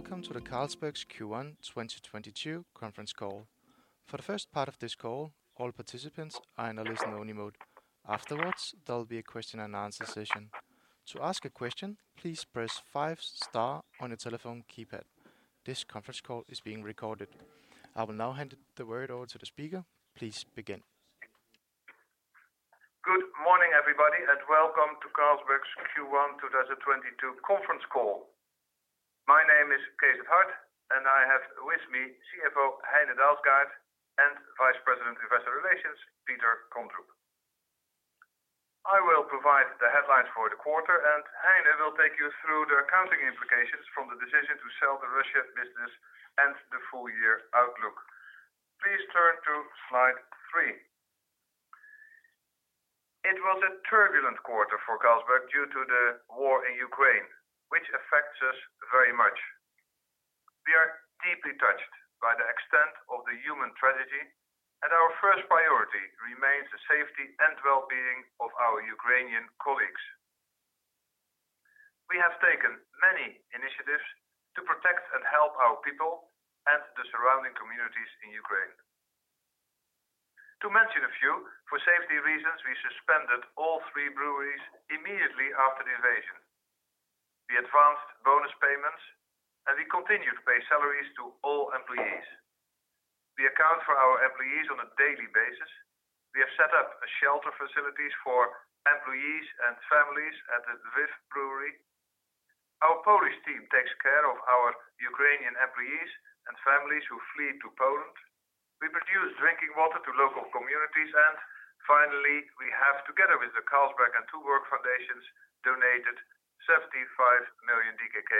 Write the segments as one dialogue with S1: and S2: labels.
S1: Welcome to the Carlsberg Group's Q1 2022 conference call. For the first part of this call, all participants are in a listen only mode. Afterwards, there will be a question and answer session. To ask a question, please press star five on your telephone keypad. This conference call is being recorded. I will now hand the word over to the speaker. Please begin.
S2: Good morning, everybody, and welcome to Carlsberg's Q1 2022 conference call. My name is Cees 't Hart, and I have with me CFO Heine Dalsgaard and Vice President, Investor Relations, Peter Kondrup. I will provide the headlines for the quarter, and Heine will take you through the accounting implications from the decision to sell the Russia business and the full year outlook. Please turn to slide three. It was a turbulent quarter for Carlsberg due to the war in Ukraine, which affects us very much. We are deeply touched by the extent of the human tragedy, and our first priority remains the safety and well-being of our Ukrainian colleagues. We have taken many initiatives to protect and help our people and the surrounding communities in Ukraine. To mention a few, for safety reasons, we suspended all three breweries immediately after the invasion. We advanced bonus payments, and we continued to pay salaries to all employees. We account for our employees on a daily basis. We have set up shelter facilities for employees and families at the Lviv Brewery. Our Polish team takes care of our Ukrainian employees and families who flee to Poland. We produce drinking water to local communities. Finally, we have, together with the Carlsberg and Tuborg foundations, donated 75 million DKK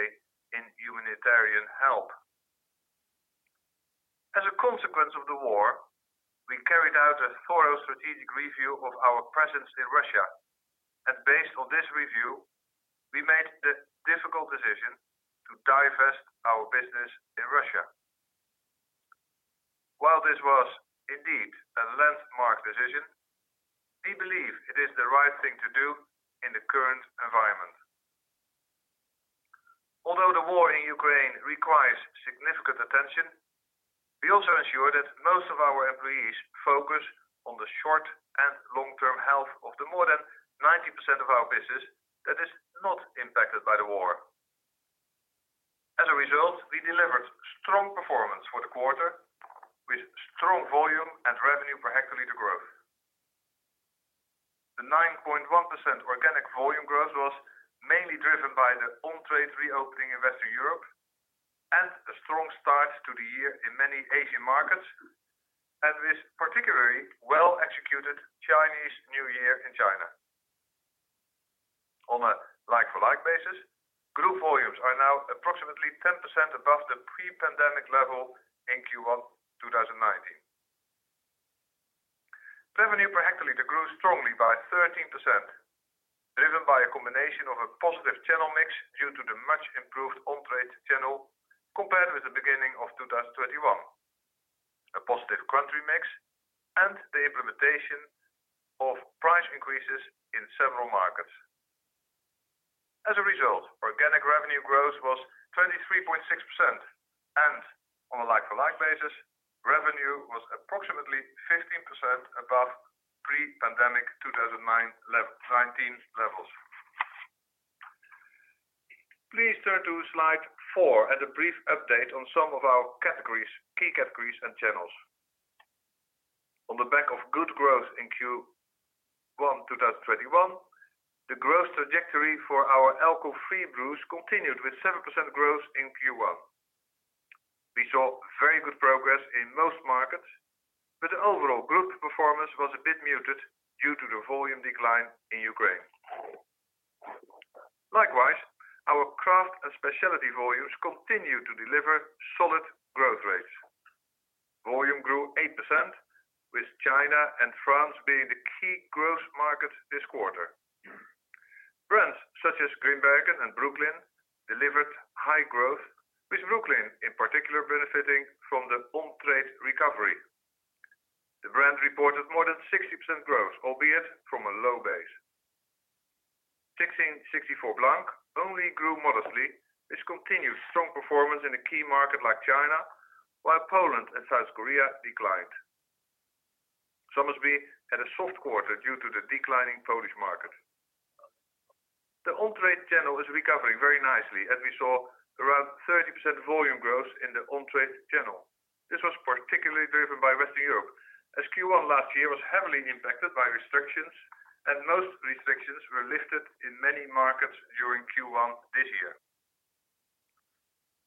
S2: in humanitarian help. As a consequence of the war, we carried out a thorough strategic review of our presence in Russia, and based on this review, we made the difficult decision to divest our business in Russia. While this was indeed a landmark decision, we believe it is the right thing to do in the current environment. Although the war in Ukraine requires significant attention, we also ensure that most of our employees focus on the short and long-term health of the more than 90% of our business that is not impacted by the war. As a result, we delivered strong performance for the quarter with strong volume and revenue per hectolitre growth. The 9.1% organic volume growth was mainly driven by the on-trade reopening in Western Europe and a strong start to the year in many Asian markets, and with particularly well-executed Chinese New Year in China. On a like-for-like basis, group volumes are now approximately 10% above the pre-pandemic level in Q1 2019. Revenue per hectoliter grew strongly by 13%, driven by a combination of a positive channel mix due to the much improved on-trade channel compared with the beginning of 2021, a positive country mix, and the implementation of price increases in several markets. As a result, organic revenue growth was 23.6%, and on a like-for-like basis, revenue was approximately 15% above pre-pandemic 2019 levels. Please turn to slide four and a brief update on some of our categories, key categories and channels. On the back of good growth in Q1 2021, the growth trajectory for our alcohol-free brews continued with 7% growth in Q1. We saw very good progress in most markets, but the overall group performance was a bit muted due to the volume decline in Ukraine. Likewise, our craft and specialty volumes continue to deliver solid growth rates. Volume grew 8%, with China and France being the key growth markets this quarter. Brands such as Grimbergen and Brooklyn delivered high growth, with Brooklyn in particular benefiting from the on-trade recovery. The brand reported more than 60% growth, albeit from a low base. 1664 Blanc only grew modestly with continued strong performance in a key market like China, while Poland and South Korea declined. Somersby had a soft quarter due to the declining Polish market. The on-trade channel is recovering very nicely, and we saw around 30% volume growth in the on-trade channel. This was particularly driven by Western Europe as Q1 last year was heavily impacted by restrictions, and most restrictions were lifted in many markets during Q1 this year.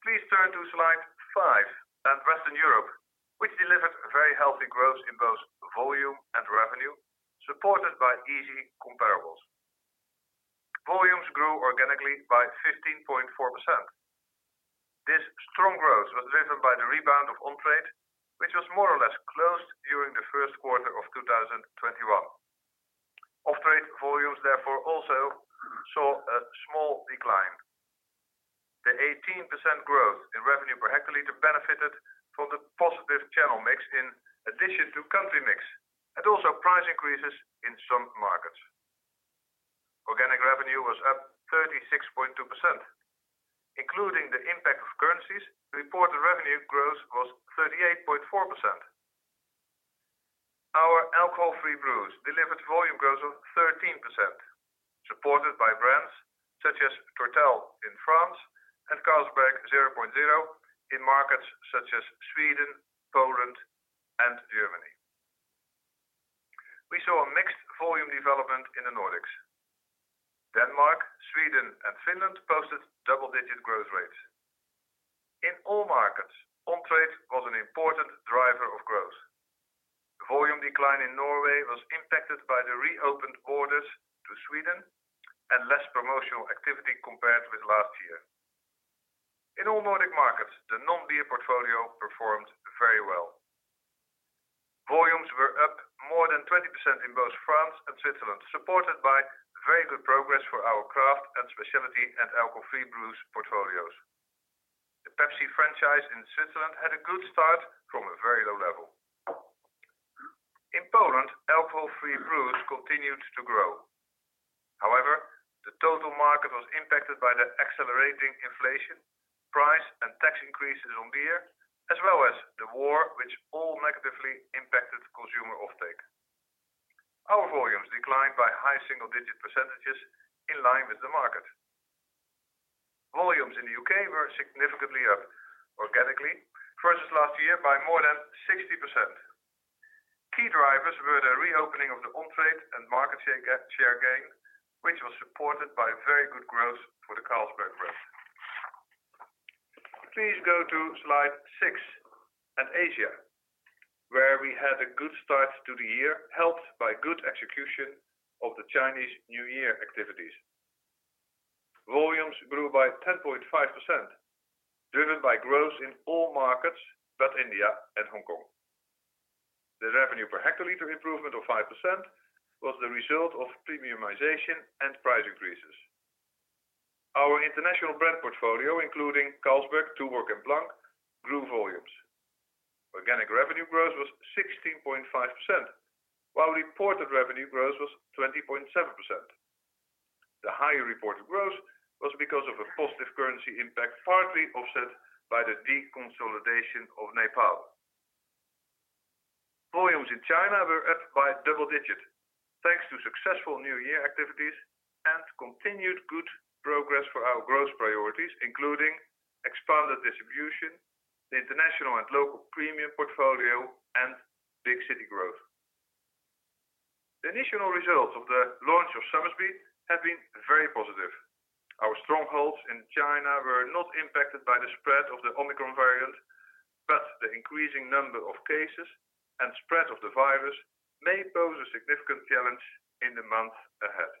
S2: Please turn to slide five and Western Europe, which delivered very healthy growth in both volume and revenue, supported by easy comparables. Volumes grew organically by 15.4%. This strong growth was driven by the rebound of on-trade, which was more or less closed during the first quarter of 2021. Off-trade volumes therefore also saw a small decline. The 18% growth in revenue per hectolitre benefited from the positive channel mix in addition to country mix and also price increases in some markets. Organic revenue was up 36.2%. Including the impact of currencies, reported revenue growth was 38.4%. Our alcohol-free brews delivered volume growth of 13%, supported by brands such as Tourtel in France and Carlsberg 0.0 in markets such as Sweden, Poland, and Germany. We saw a mixed volume development in the Nordics. Denmark, Sweden, and Finland posted double-digit growth rates. In all markets, on-trade was an important driver of growth. The volume decline in Norway was impacted by the reopened borders to Sweden and less promotional activity compared with last year. In all Nordic markets, the non-beer portfolio performed very well. Volumes were up more than 20% in both France and Switzerland, supported by very good progress for our craft and specialty and alcohol-free brews portfolios. The Pepsi franchise in Switzerland had a good start from a very low level. In Poland, alcohol-free brews continued to grow. However, the total market was impacted by the accelerating inflation, price and tax increases on beer, as well as the war, which all negatively impacted consumer offtake. Our volumes declined by high single-digit percentages in line with the market. Volumes in the U.K. were significantly up organically versus last year by more than 60%. Key drivers were the reopening of the on-trade and market share gain, which was supported by very good growth for the Carlsberg brand. Please go to slide six and Asia, where we had a good start to the year, helped by good execution of the Chinese New Year activities. Volumes grew by 10.5%, driven by growth in all markets but India and Hong Kong. The revenue per hectolitre improvement of 5% was the result of premiumisation and price increases. Our international brand portfolio, including Carlsberg, Tuborg, and Blanc, grew volumes. Organic revenue growth was 16.5%, while reported revenue growth was 20.7%. The higher reported growth was because of a positive currency impact, partly offset by the deconsolidation of Nepal. Volumes in China were up by double digit, thanks to successful New Year activities and continued good progress for our growth priorities, including expanded distribution, the international and local premium portfolio, and big city growth. The initial results of the launch of Somersby have been very positive. Our strongholds in China were not impacted by the spread of the Omicron variant, but the increasing number of cases and spread of the virus may pose a significant challenge in the months ahead.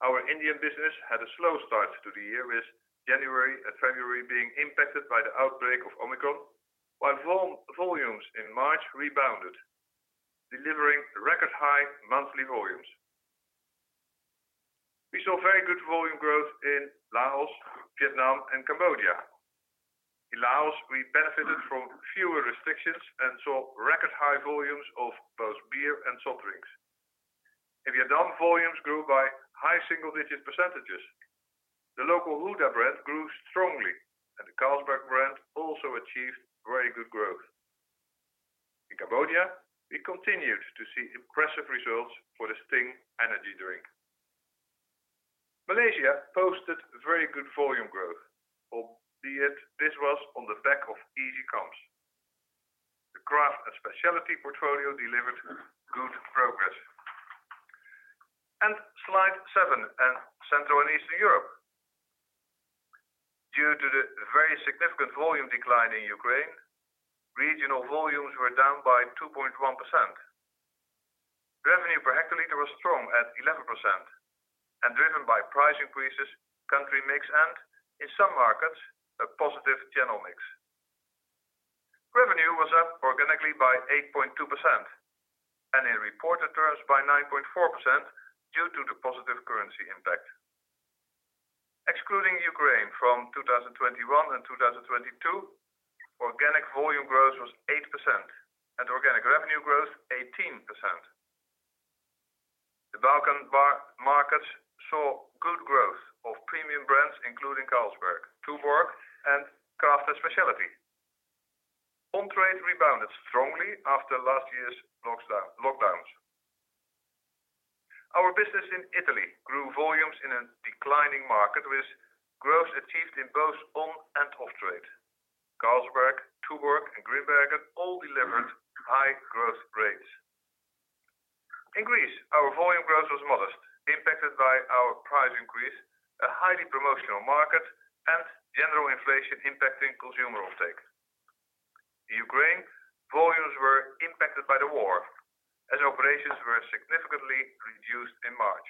S2: Our Indian business had a slow start to the year, with January and February being impacted by the outbreak of Omicron, while volumes in March rebounded, delivering record high monthly volumes. We saw very good volume growth in Laos, Vietnam, and Cambodia. In Laos, we benefited from fewer restrictions and saw record high volumes of both beer and soft drinks. In Vietnam, volumes grew by high single-digit percentages. The local Huda brand grew strongly and the Carlsberg brand also achieved very good growth. In Cambodia, we continued to see impressive results for the Sting energy drink. Malaysia posted very good volume growth, albeit this was on the back of easy comps. The craft and specialty portfolio delivered good progress. Slide seven and Central and Eastern Europe. Due to the very significant volume decline in Ukraine, regional volumes were down by 2.1%. Revenue per hectolitre was strong at 11% and driven by price increases, country mix and, in some markets, a positive channel mix. Revenue was up organically by 8.2% and in reported terms by 9.4% due to the positive currency impact. Excluding Ukraine from 2021 and 2022, organic volume growth was 8% and organic revenue growth 18%. The Balkan beer markets saw good growth of premium brands including Carlsberg, Tuborg, and craft and specialty. On-trade rebounded strongly after last year's lockdowns. Our business in Italy grew volumes in a declining market, with growth achieved in both on and off-trade. Carlsberg, Tuborg, and Grimbergen all delivered high growth rates. In Greece, our volume growth was modest, impacted by our price increase, a highly promotional market, and general inflation impacting consumer offtake. In Ukraine, volumes were impacted by the war, as operations were significantly reduced in March.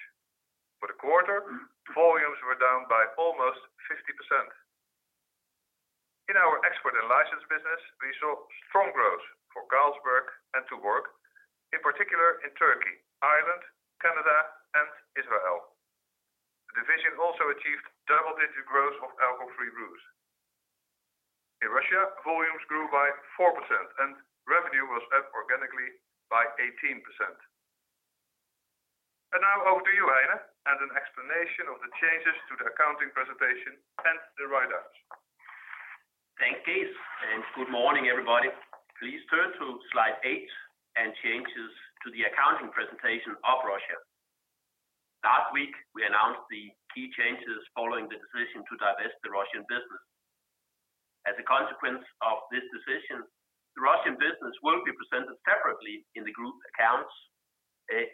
S2: For the quarter, volumes were down by almost 50%. In our export and license business, we saw strong growth for Carlsberg and Tuborg, in particular in Turkey, Ireland, Canada, and the U.S. We have also achieved double-digit growth of alcohol-free brews. In Russia, volumes grew by 4%, and revenue was up organically by 18%. Now over to you, Heine, and an explanation of the changes to the accounting presentation and the write-downs.
S3: Thanks, Cees 't, and good morning, everybody. Please turn to slide eight and changes to the accounting presentation of Russia. Last week, we announced the key changes following the decision to divest the Russian business. As a consequence of this decision, the Russian business will be presented separately in the group accounts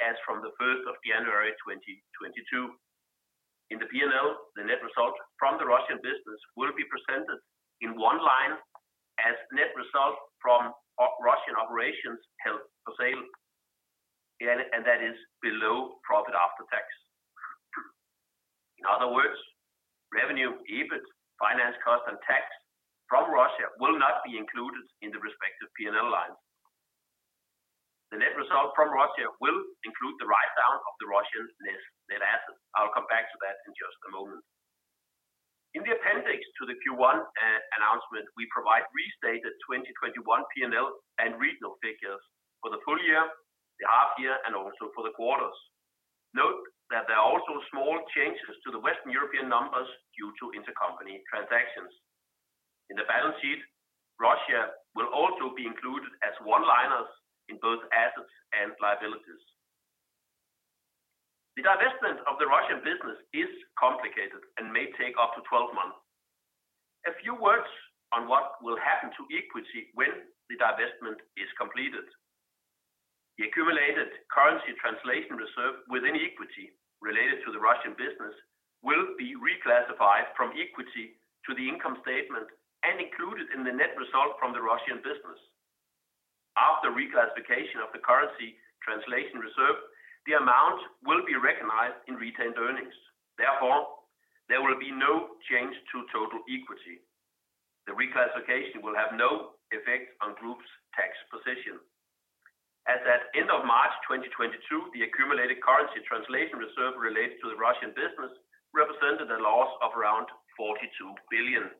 S3: as from the first of January 2022. In the P&L, the net result from the Russian business will be presented in one line as net result from Russian operations held for sale, and that is below profit after tax. In other words, revenue, EBIT, finance cost, and tax from Russia will not be included in the respective P&L lines. The net result from Russia will include the write-down of the Russian net assets. I'll come back to that in just a moment. In the appendix to the Q1 announcement, we provide restated 2021 P&L and regional figures for the full year, the half year, and also for the quarters. Note that there are also small changes to the Western European numbers due to intercompany transactions. In the balance sheet, Russia will also be included as one-liners in both assets and liabilities. The divestment of the Russian business is complicated and may take up to 12 months. A few words on what will happen to equity when the divestment is completed. The accumulated currency translation reserve within equity related to the Russian business will be reclassified from equity to the income statement and included in the net result from the Russian business. After reclassification of the currency translation reserve, the amount will be recognized in retained earnings. Therefore, there will be no change to total equity. The reclassification will have no effect on group's tax position. As at end of March 2022, the accumulated currency translation reserve related to the Russian business represented a loss of around 42 billion.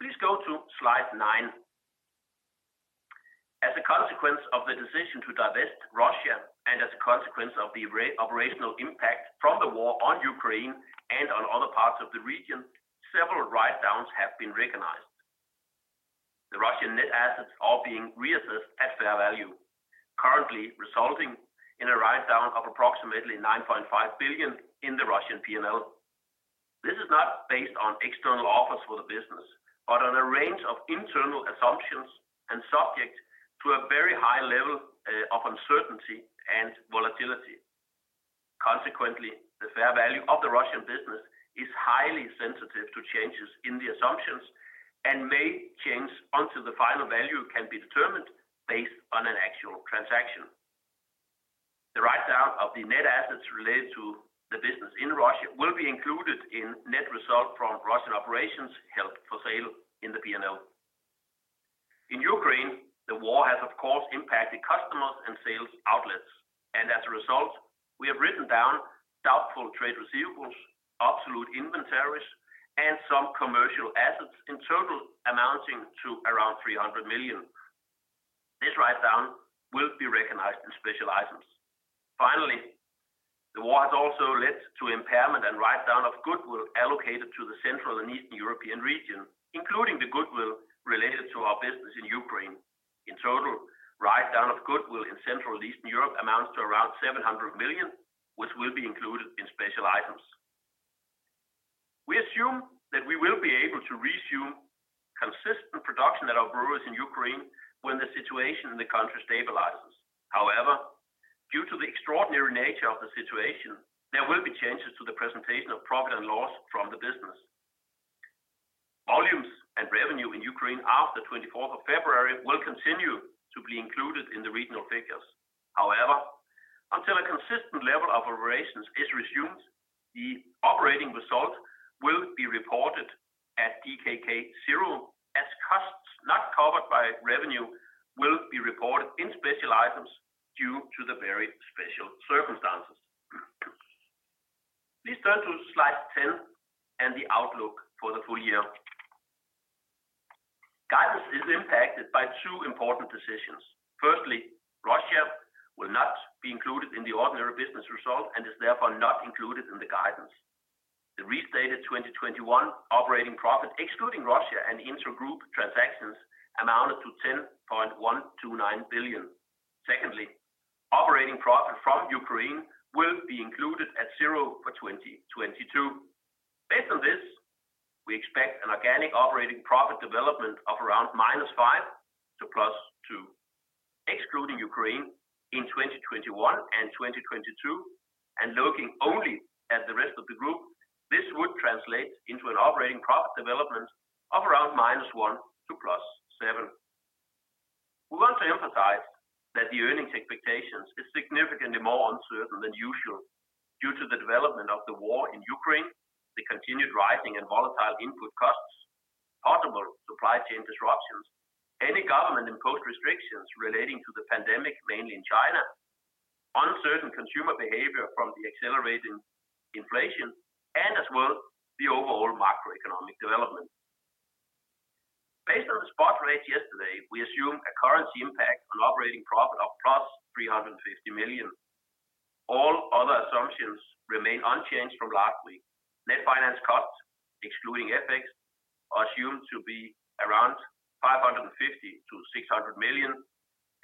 S3: Please go to slide nine. As a consequence of the decision to divest Russia and as a consequence of the operational impact from the war on Ukraine and on other parts of the region, several write-downs have been recognized. The Russian net assets are being reassessed at fair value, currently resulting in a write-down of approximately 9.5 billion in the Russian P&L. This is not based on external offers for the business, but on a range of internal assumptions and subject to a very high level of uncertainty and volatility. Consequently, the fair value of the Russian business is highly sensitive to changes in the assumptions and may change until the final value can be determined based on an actual transaction. The write-down of the net assets related to the business in Russia will be included in net result from Russian operations held for sale in the P&L. In Ukraine, the war has of course impacted customers and sales outlets, and as a result, we have written down doubtful trade receivables, obsolete inventories, and some commercial assets in total amounting to around 300 million. This write-down will be recognized in special items. Finally, the war has also led to impairment and write-down of goodwill allocated to the Central and Eastern European region, including the goodwill related to our business in Ukraine. In total, write-down of goodwill in Central Eastern Europe amounts to around 700 million, which will be included in special items. We assume that we will be able to resume consistent production at our breweries in Ukraine when the situation in the country stabilizes. However, due to the extraordinary nature of the situation, there will be changes to the presentation of profit and loss from the business. Volumes and revenue in Ukraine after the 24th of February will continue to be included in the regional figures. However, until a consistent level of operations is resumed, the operating result will be reported at DKK 0, as costs not covered by revenue will be reported in special items due to the very special circumstances. Please turn to slide 10 and the outlook for the full year. Guidance is impacted by two important decisions. Firstly, Russia will not be included in the ordinary business result and is therefore not included in the guidance. The restated 2021 operating profit, excluding Russia and intragroup transactions, amounted to 10.129 billion. Secondly, operating profit from Ukraine will be included at 0 for 2022. Based on this, we expect an organic operating profit development of around -5% to +2%, excluding Ukraine in 2021 and 2022, and looking only at the rest of the group, this would translate into an operating profit development of around -1% to +7%. We want to emphasize that the earnings expectations is significantly more uncertain than usual due to the development of the war in Ukraine, the continued rising and volatile input costs, possible supply chain disruptions, any government-imposed restrictions relating to the pandemic, mainly in China, uncertain consumer behavior from the accelerating inflation, and as well the overall macroeconomic development. Based on the spot rate yesterday, we assume a currency impact on operating profit of +350 million. All other assumptions remain unchanged from last week. Net finance costs, excluding FX, are assumed to be around 550 million-600 million.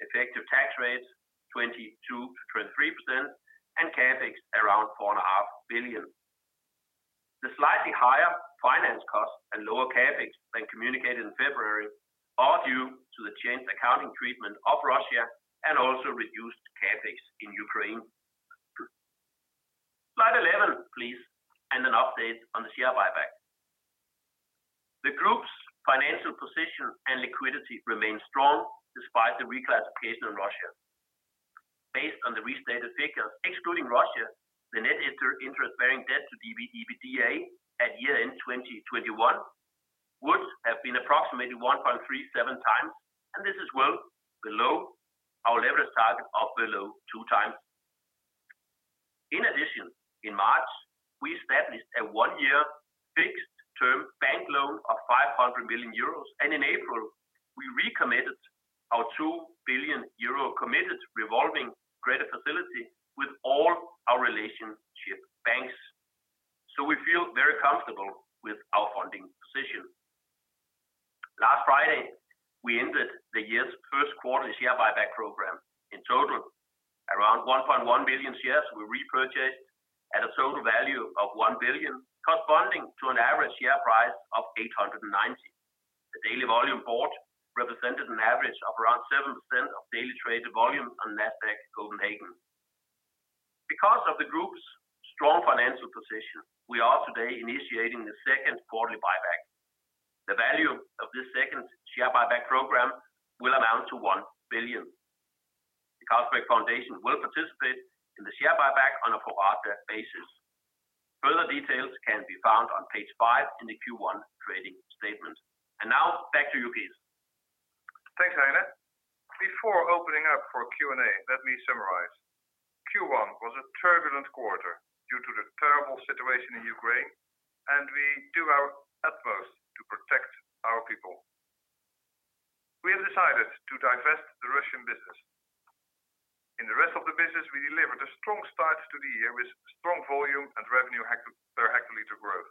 S3: Effective tax rates, 22%-23%, and CapEx around 4.5 billion. The slightly higher finance costs and lower CapEx than communicated in February are due to the changed accounting treatment of Russia and also reduced CapEx in Ukraine. Slide 11, please, and an update on the share buyback. The group's financial position and liquidity remain strong despite the reclassification of Russia. Based on the restated figures, excluding Russia, the net interest-bearing debt to EBITDA at year-end 2021 would have been approximately 1.37 times, and this is well below our leverage target of below 2 times. In addition, in March, we established a one-year fixed term bank loan of 500 million euros, and in April we recommitted our 2 billion euro committed revolving credit facility with all our relationship banks. We feel very comfortable with our funding position. Last Friday, we ended the year's first quarter share buyback program. In total, around 1.1 million shares were repurchased at a total value of 1 billion, corresponding to an average share price of 890. The daily volume bought represented an average of around 7% of daily traded volume on Nasdaq Copenhagen. Because of the group's strong financial position, we are today initiating the second quarterly buyback. The value of this second share buyback program will amount to 1 billion. The Carlsberg Foundation will participate in the share buyback on a pro rata basis. Further details can be found on page five in the Q1 trading statement. Now back to you, Cees 't.
S2: Thanks, Heine. Before opening up for Q&A, let me summarize. Q1 was a turbulent quarter due to the terrible situation in Ukraine, and we do our utmost to protect our people. We have decided to divest the Russian business. In the rest of the business, we delivered a strong start to the year with strong volume and revenue per hectolitre growth.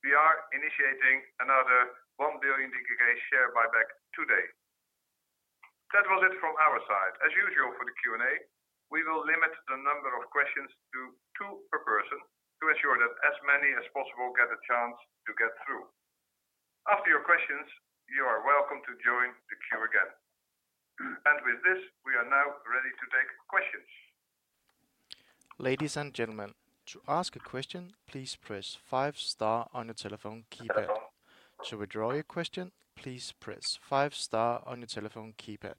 S2: We are initiating another 1 billion DKK share buyback today. That was it from our side. As usual for the Q&A, we will limit the number of questions to two per person to ensure that as many as possible get a chance to get through. After your questions, you are welcome to join the queue again. With this, we are now ready to take questions.
S1: Ladies and gentlemen, to ask a question, please press five star on your telephone keypad. To withdraw your question, please press five star on your telephone keypad.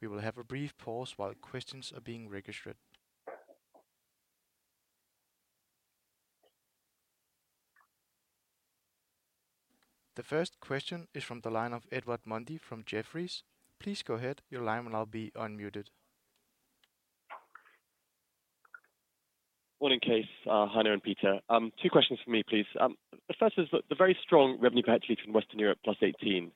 S1: We will have a brief pause while questions are being registered. The first question is from the line of Edward Mundy from Jefferies. Please go ahead. Your line will now be unmuted.
S4: Morning, Cees 't, Heine, and Peter. Two questions from me, please. The first is the very strong revenue per hectolitre in Western Europe, +18%.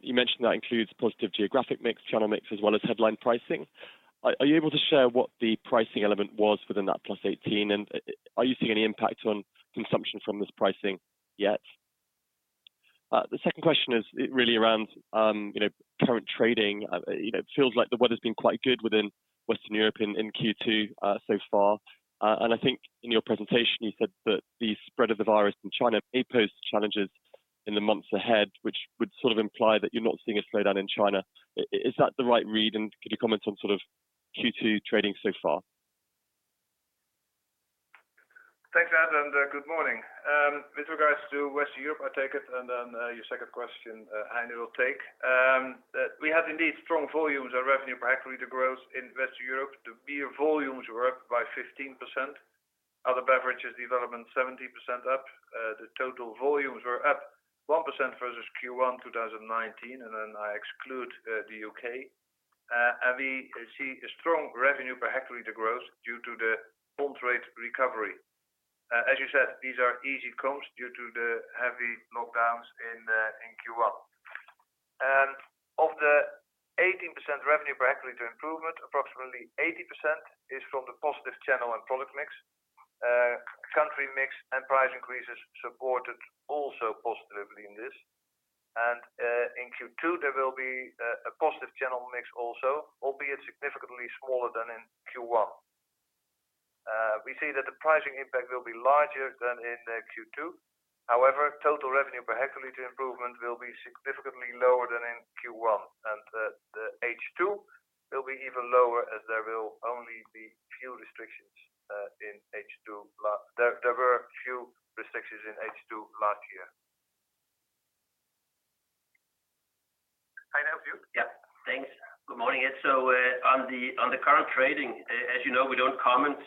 S4: You mentioned that includes positive geographic mix, channel mix, as well as headline pricing. Are you able to share what the pricing element was within that +18%? And are you seeing any impact on consumption from this pricing yet? The second question is really around, you know, current trading. You know, it feels like the weather's been quite good within Western Europe in Q2 so far. I think in your presentation you said that the spread of the virus in China may pose challenges in the months ahead, which would sort of imply that you're not seeing a slowdown in China. Is that the right read, and could you comment on sort of Q2 trading so far?
S2: Thanks, Ed, and good morning. With regards to Western Europe, I take it, and then your second question, Heine will take. We have indeed strong volumes of revenue per hectoliter growth in Western Europe. The beer volumes were up by 15%. Other beverages development, 17% up. The total volumes were up 1% versus Q1 2019, and then I exclude the U.K. We see a strong revenue per hectoliter growth due to the on-trade recovery. As you said, these are easy comps due to the heavy lockdowns in Q1. Of the 18% revenue per hectoliter improvement, approximately 80% is from the positive channel and product mix. Country mix and price increases supported also positively in this. In Q2, there will be a positive channel mix also, albeit significantly smaller than in Q1. We see that the pricing impact will be larger than in Q2. However, total revenue per hectoliter improvement will be significantly lower than in Q1. The H2 will be even lower as there will only be few restrictions in H2. There were few restrictions in H2 last year. Morning, Ed. On the current trading, as you know, we don't comment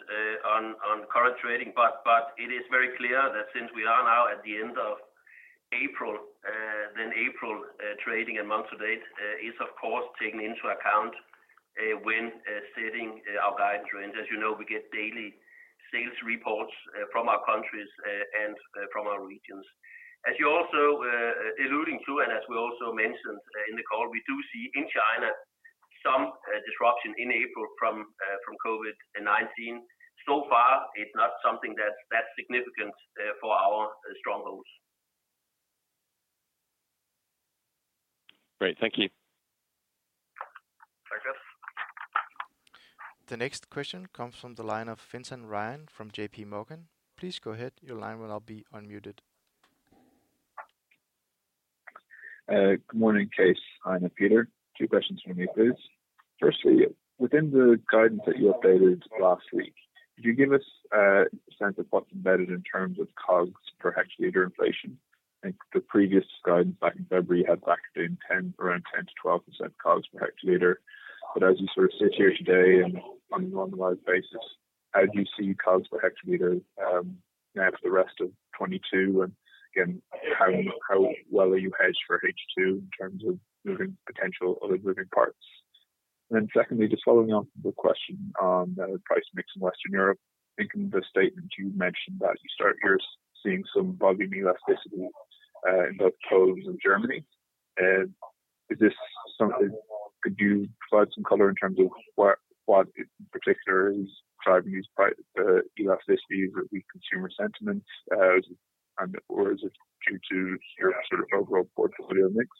S2: on current trading, but it is very clear that since we are now at the end of April, then April trading and month to date is of course taken into account when setting our guidance range. As you know, we get daily sales reports from our countries and from our regions. As you're also alluding to, and as we also mentioned in the call, we do see in China some disruption in April from COVID-19. So far, it's not something that's that significant for our strongholds.
S4: Great. Thank you.
S2: Thank you.
S1: The next question comes from the line of Vincent Ryan from JPMorgan. Please go ahead. Your line will now be unmuted.
S5: Good morning, Cees 't, Heine, and Peter. Two questions from me, please. Firstly, within the guidance that you updated last week, could you give us a sense of what's embedded in terms of COGS per hectoliter inflation? I think the previous guidance back in February had that being 10, around 10%-12% COGS per hectoliter. As you sort of sit here today and on an annualized basis, how do you see COGS per hectoliter now for the rest of 2022? And again, how well are you hedged for H2 in terms of moving potential other moving parts? Then secondly, just following on from the question on the price mix in Western Europe, I think in the statement you mentioned that you start here seeing some volume elasticity in both Poland and Germany. Is this something? Could you provide some color in terms of what in particular is driving these price elasticities with weak consumer sentiments? Or is it due to your sort of overall portfolio mix?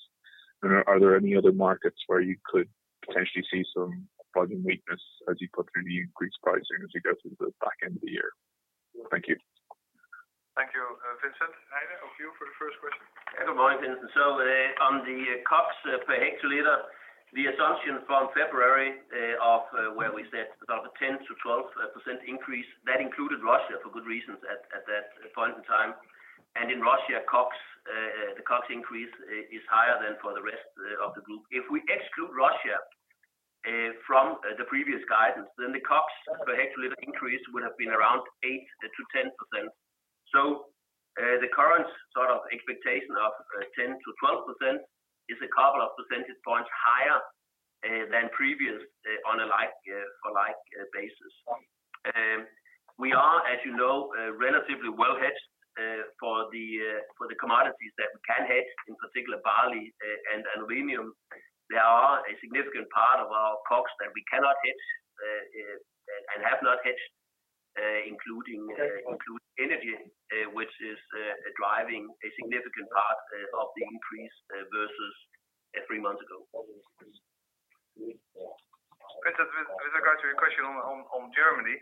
S5: Are there any other markets where you could potentially see some volume weakness as you put through the increased pricing as you go through the back end of the year? Thank you.
S2: Thank you, Vincent. Heine, over to you for the first question.
S3: Yeah. Good morning, Vincent. On the COGS per hectoliter, the assumption from February of where we said about a 10%-12% increase, that included Russia for good reasons at that point in time. In Russia, COGS, the COGS increase is higher than for the rest of the group. If we exclude Russia from the previous guidance, then the COGS per hectoliter increase would have been around 8%-10%. The current sort of expectation of 10%-12% is a couple of percentage points higher than previous on a like-for-like basis. We are, as you know, relatively well hedged for the commodities that we can hedge, in particular barley and aluminum. There are a significant part of our COGS that we cannot hedge and have not hedged, including energy, which is driving a significant part of the increase versus three months ago.
S2: Vincent, with regard to your question on Germany,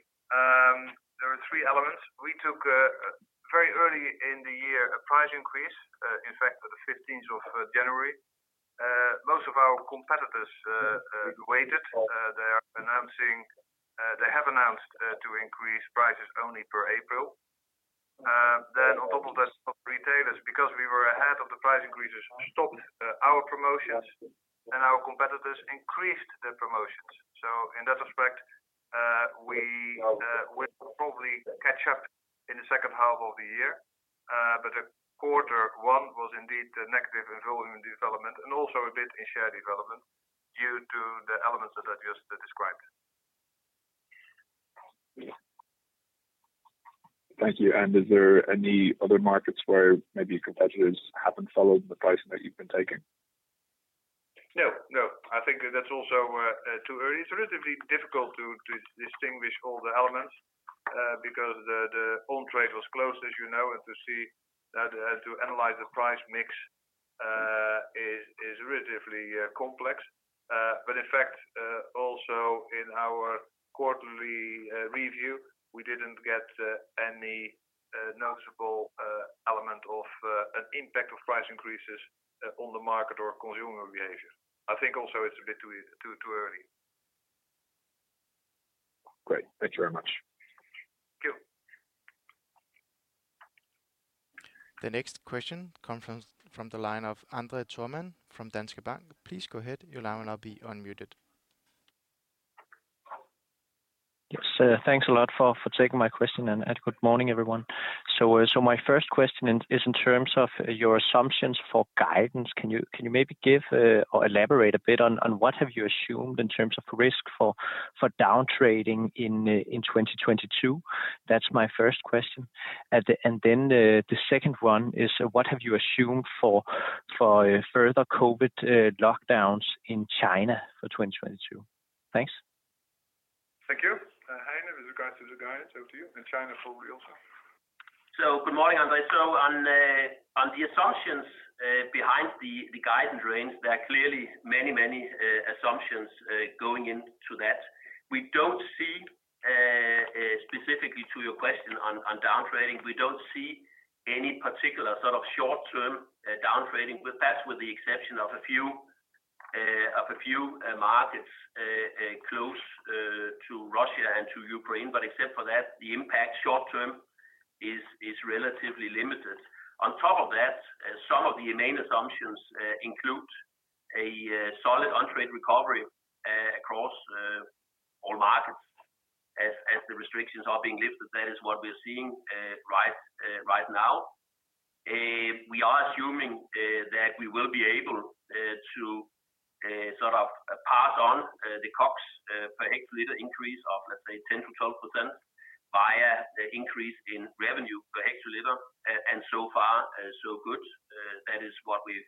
S2: there are three elements. We took very early in the year a price increase, in fact, the 15th of January. Most of our competitors waited. They have announced to increase prices only per April. On top of that, some retailers, because we were ahead of the price increases, stopped our promotions, and our competitors increased their promotions. In that respect, we will probably catch up in the second half of the year. The quarter one was indeed a negative volume development and also a bit in share development due to the elements that I just described.
S5: Thank you. Is there any other markets where maybe competitors haven't followed the pricing that you've been taking?
S2: No, no. I think that's also too early. It's relatively difficult to distinguish all the elements because the on-trade was closed, as you know, and to see that, to analyze the price mix is relatively complex. In fact, also in our quarterly review, we didn't get any noticeable element of an impact of price increases on the market or consumer behavior. I think also it's a bit too early.
S5: Great. Thank you very much.
S2: Thank you.
S1: The next question comes from the line of André Thormann from Danske Bank. Please go ahead. Your line will now be unmuted.
S6: Yes. Thanks a lot for taking my question, and good morning, everyone. My first question is in terms of your assumptions for guidance. Can you maybe give or elaborate a bit on what have you assumed in terms of risk for downtrading in 2022? That's my first question. The second one is what have you assumed for further COVID lockdowns in China for 2022? Thanks.
S2: Thank you. Heine, with regards to the guidance, over to you, and China for you also.
S3: Good morning, André. On the assumptions behind the guidance range, there are clearly many assumptions going into that. We don't see, specifically to your question on downtrading, we don't see any particular sort of short-term downtrading with that, with the exception of a few markets to Russia and to Ukraine, but except for that, the impact short term is relatively limited. On top of that, some of the main assumptions include a solid on-trade recovery across all markets as the restrictions are being lifted. That is what we're seeing right now. We are assuming that we will be able to sort of pass on the COGS per liter increase of let's say 10%-12% via the increase in revenue per liter. So far, so good. That is what we've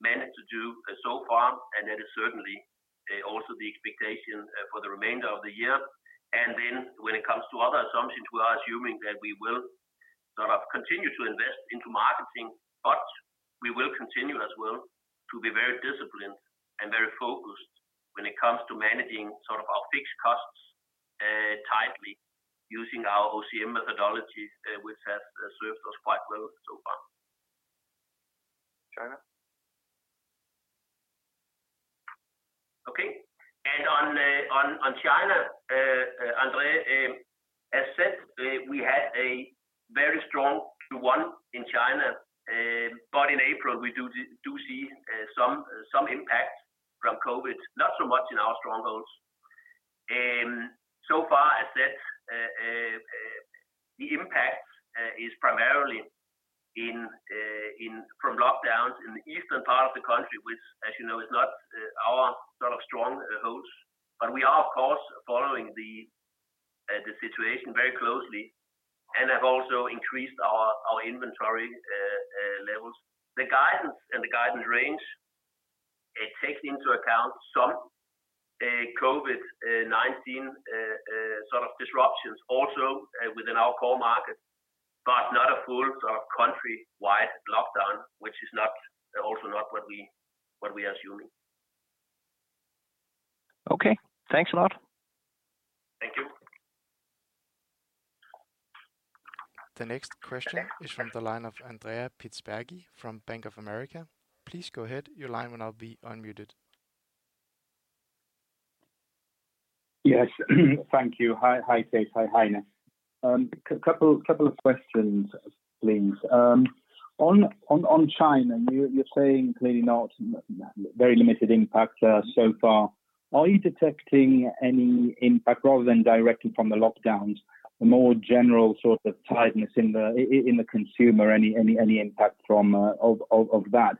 S3: managed to do so far, and that is certainly also the expectation for the remainder of the year. Then when it comes to other assumptions, we are assuming that we will sort of continue to invest into marketing, but we will continue as well to be very disciplined and very focused when it comes to managing sort of our fixed costs tightly using our OCM methodology, which has served us quite well so far.
S6: China?
S3: On China, André, as said, we had a very strong Q1 in China. In April we do see some impact from COVID, not so much in our strongholds. So far as that, the impact is primarily from lockdowns in the eastern part of the country, which as you know, is not our sort of strongholds. We are of course following the situation very closely and have also increased our inventory levels. The guidance and the guidance range, it takes into account some COVID-19 sort of disruptions also within our core markets, but not a full sort of country-wide lockdown, which is not also not what we are assuming.
S6: Okay, thanks a lot.
S3: Thank you.
S1: The next question is from the line of Andrea Pistacchi from Bank of America. Please go ahead. Your line will now be unmuted.
S7: Yes. Thank you. Hi, Cees 't. Hi, Heine. Couple of questions, please. On China, you're saying clearly now it's very limited impact so far. Are you detecting any impact rather than directly from the lockdowns, the more general sort of tightness in the consumer, any impact from that?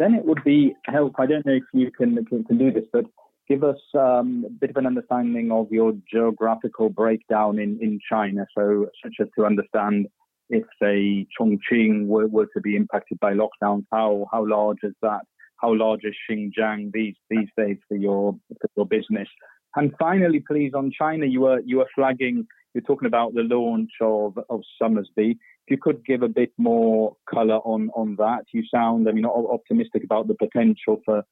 S7: It would be helpful. I don't know if you can do this, but give us a bit of an understanding of your geographical breakdown in China. So such as to understand if, say, Chongqing were to be impacted by lockdowns, how large is that? How large is Xinjiang these days for your business? And finally, please, on China, you were flagging, you were talking about the launch of Somersby. If you could give a bit more color on that. You sound, I mean, optimistic about the potential for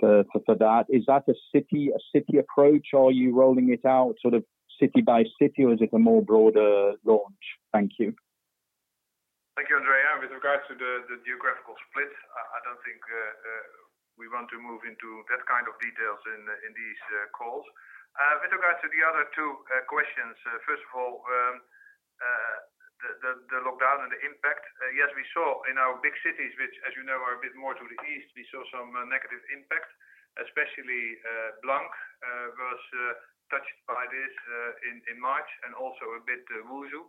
S7: that. Is that a city approach? Are you rolling it out sort of city by city or is it a more broader launch? Thank you.
S2: Thank you, Andrea. With regards to the geographical split, I don't think we want to move into that kind of details in these calls. With regards to the other two questions, first of all, the lockdown and the impact, yes, we saw in our big cities, which as you know, are a bit more to the east, we saw some negative impact, especially Kunming was touched by this in March and also a bit Wusu.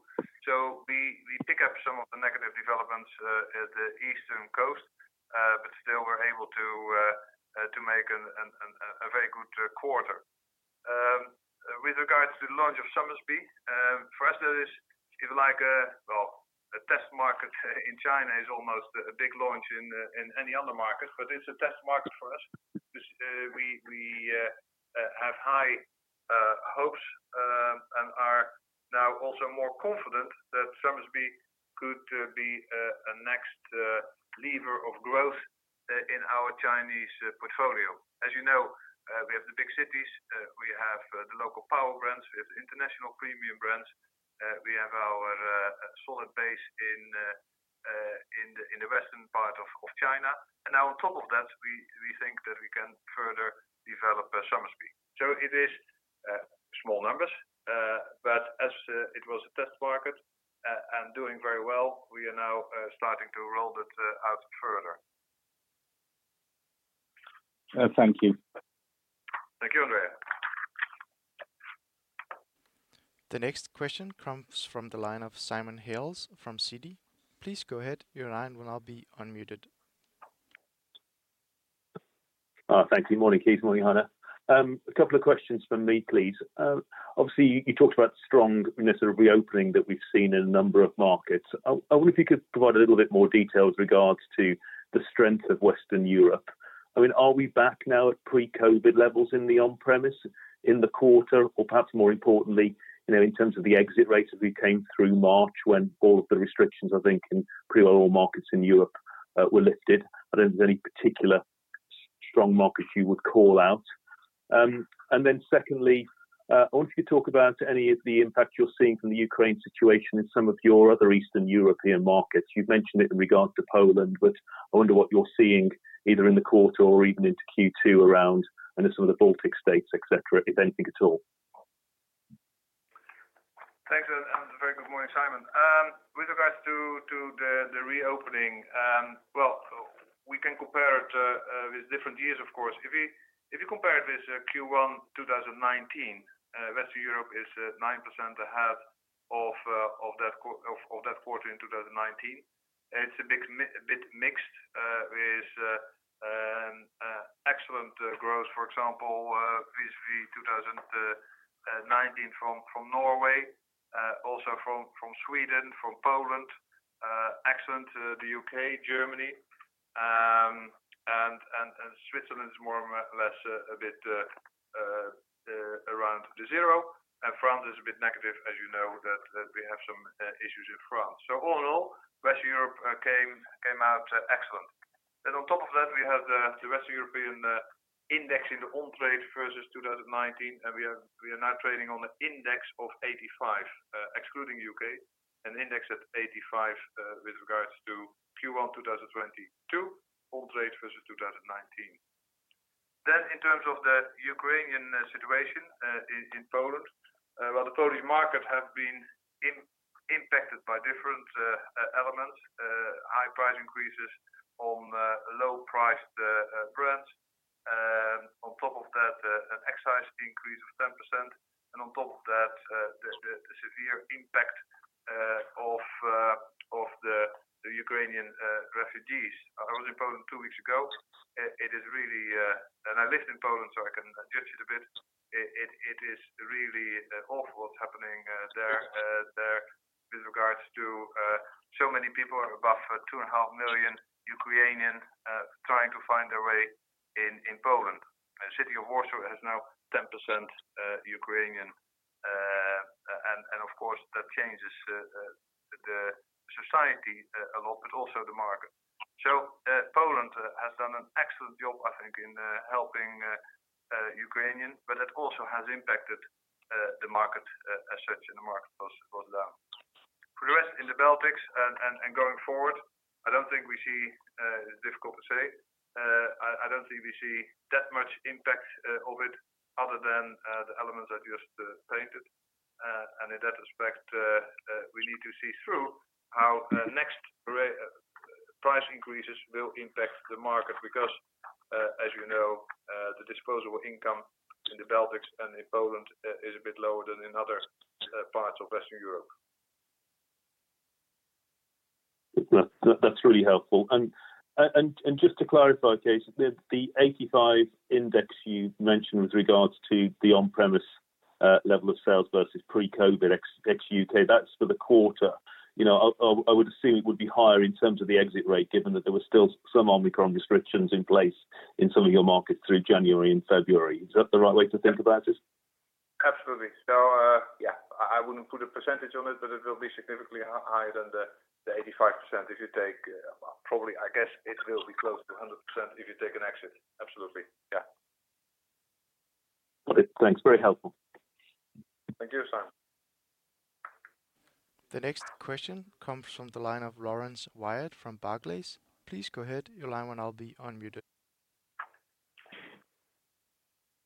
S2: We pick up some of the negative developments at the eastern coast, but still we're able to make a very good quarter. With regards to the launch of Somersby, for us that is like a Well, a test market in China is almost a big launch in any other market, but it's a test market for us 'cause we have high hopes and are now also more confident that Somersby could be a next lever of growth in our Chinese portfolio. As you know, we have the big cities, we have the local power brands, we have international premium brands, we have our solid base in the western part of China. Now on top of that, we think that we can further develop Somersby. It is small numbers, but as it was a test market and doing very well, we are now starting to roll that out further.
S7: Thank you.
S2: Thank you, Andrea.
S1: The next question comes from the line of Simon Hales from Citi. Please go ahead. Your line will now be unmuted.
S8: Thank you. Morning, Cees 't. Morning, Heine. A couple of questions from me, please. Obviously you talked about strong sort of reopening that we've seen in a number of markets. I wonder if you could provide a little bit more detail with regards to the strength of Western Europe. I mean, are we back now at pre-COVID levels in the on-premise in the quarter, or perhaps more importantly, you know, in terms of the exit rates as we came through March when all of the restrictions I think in pretty well all markets in Europe were lifted? Are there any particular strong markets you would call out? Secondly, I wonder if you could talk about any of the impact you're seeing from the Ukraine situation in some of your other Eastern European markets. You've mentioned it in regards to Poland, but I wonder what you are seeing either in the quarter or even into Q2 around, you know, some of the Baltic states, et cetera, if anything at all.
S2: Good morning, Simon. With regards to the reopening, well, we can compare it with different years, of course. If you compare it with Q1 2019, Western Europe is 9% ahead of that quarter in 2019. It's a bit mixed, with excellent growth, for example, vis-a-vis 2019 from Norway, also from Sweden, from Poland. Excellent, the U.K., Germany, and Switzerland is more or less a bit around the zero. France is a bit negative, as you know, we have some issues in France. All in all, Western Europe came out excellent. On top of that, we have the Western European index in the on-trade versus 2019, and we are now trading on an index of 85, excluding U.K., an index at 85, with regards to Q1 2022 on-trade versus 2019. In terms of the Ukrainian situation in Poland, well, the Polish market have been impacted by different elements, high price increases on low priced brands. On top of that, an excise increase of 10%. On top of that, the severe impact of the Ukrainian refugees. I was in Poland two weeks ago. It is really. I lived in Poland, so I can judge it a bit. It is really awful what's happening there with regards to so many people, above 2.5 million Ukrainians trying to find their way in Poland. The city of Warsaw has now 10% Ukrainian. Of course, that changes the society a lot, but also the market. Poland has done an excellent job, I think, in helping Ukrainians, but it also has impacted the market as such, and the market was down. For the rest in the Baltics and going forward, I don't think we see difficult to say. I don't think we see that much impact of it other than the elements I just painted. In that respect, we need to see through how next price increases will impact the market. Because, as you know, the disposable income in the Baltics and in Poland is a bit lower than in other parts of Western Europe.
S8: That's really helpful. Just to clarify, Cees 't, the 85 index you mentioned with regards to the on-premise level of sales versus pre-COVID ex-U.K., that's for the quarter. You know, I would assume it would be higher in terms of the exit rate, given that there were still some Omicron restrictions in place in some of your markets through January and February. Is that the right way to think about it?
S2: Absolutely. Yeah, I wouldn't put a percentage on it, but it will be significantly higher than the 85%. Probably, I guess it will be close to 100% if you take an exit. Absolutely. Yeah.
S8: Okay, thanks. Very helpful.
S2: Thank you, Simon.
S1: The next question comes from the line of Laurence Whyatt from Barclays. Please go ahead. Your line will now be unmuted.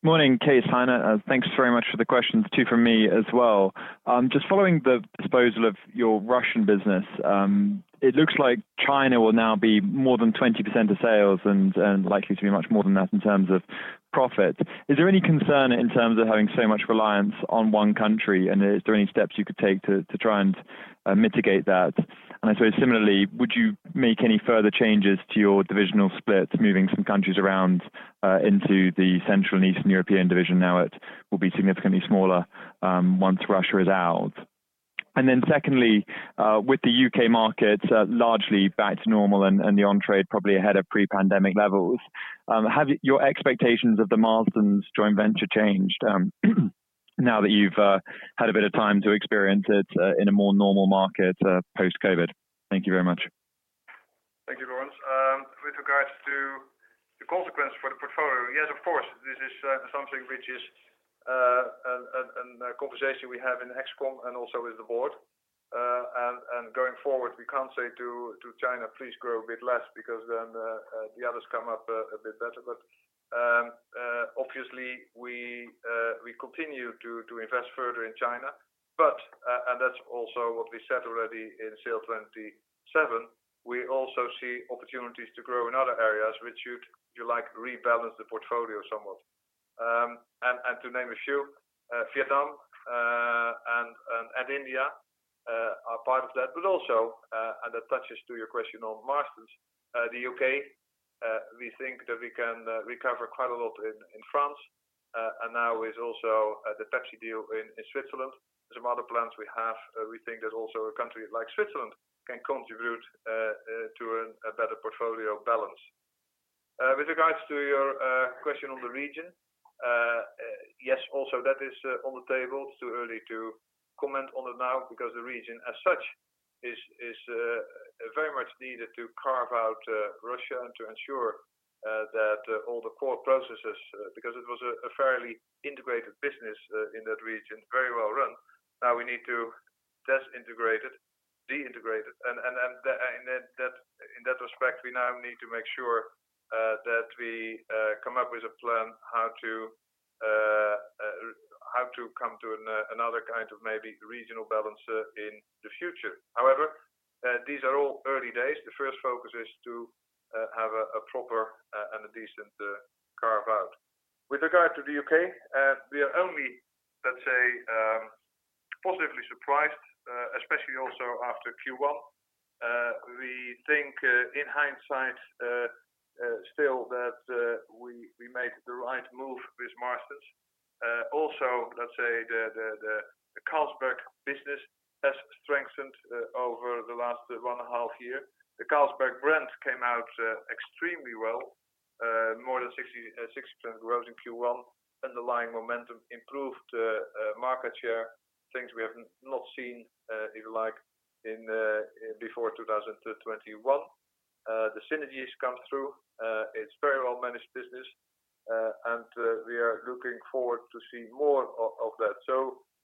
S9: Morning, Cees 't and Heine. Thanks very much for the questions too from me as well. Just following the disposal of your Russian business, it looks like China will now be more than 20% of sales and likely to be much more than that in terms of profit. Is there any concern in terms of having so much reliance on one country, and is there any steps you could take to try and mitigate that? I suppose similarly, would you make any further changes to your divisional splits, moving some countries around into the Central and Eastern European division, now it will be significantly smaller once Russia is out? Secondly, with the U.K. market largely back to normal and the on-trade probably ahead of pre-pandemic levels, have your expectations of the Marston's joint venture changed, now that you've had a bit of time to experience it, in a more normal market, post-COVID? Thank you very much.
S2: Thank you, Laurence. With regards to the consequence for the portfolio, yes, of course, this is something which is a conversation we have in ExCom and also with the board. Going forward, we can't say to China, "Please grow a bit less," because then the others come up a bit better. Obviously, we continue to invest further in China. That's also what we said already in SAIL'27; we also see opportunities to grow in other areas which would, like, rebalance the portfolio somewhat. To name a few, Vietnam and India are part of that. That touches on your question on Marston's, the U.K. We think that we can recover quite a lot in France. Now with the Pepsi deal in Switzerland, there's some other plans we have. We think that also a country like Switzerland can contribute to a better portfolio balance. With regards to your question on the region, yes, also that is on the table. It's too early to comment on it now because the region as such is very much needed to carve out Russia and to ensure that all the core processes, because it was a fairly integrated business in that region, very well run. Now we need to disintegrate it. In that respect, we now need to make sure that we come up with a plan how to come to another kind of maybe regional balancer in the future. However, these are all early days. The first focus is to have a proper and a decent carve-out. With regard to the U.K., we are only, let's say, positively surprised, especially also after Q1. We think, in hindsight, still that we made the right move with Marston's. Also, let's say the Carlsberg business has strengthened over the last one and a half year. The Carlsberg brand came out extremely well, more than 60% growth in Q1. Underlying momentum improved, market share, things we have not seen, if you like, before 2021. The synergies come through. It's very well managed business. We are looking forward to see more of that.